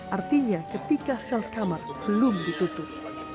artinya ketika sel kamar belum ditutup